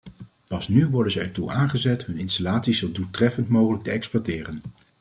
Pas nu worden ze ertoe aangezet hun installaties zo doeltreffend mogelijk te exploiteren.